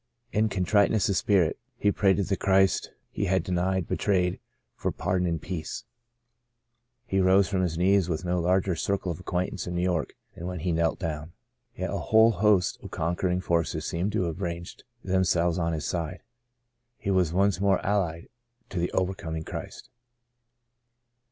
In contriteness of spirit he prayed to the Christ he had denied — betrayed — for pardon and peace. He rose from his knees with no 92 Saved to Serve larger circle of acquaintance in New York than when he knelt down. Yet a whole host of conquering forces seemed to 'have ranged themselves on his side. He was once more allied to the overcoming Christ.